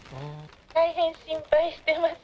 大変心配してます。